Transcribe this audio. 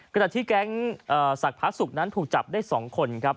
และดาวที่แก๊งสักผสกฏนั้นถูกจับได้๒คนครับ